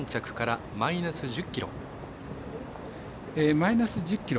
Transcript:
マイナス１０ｋｇ。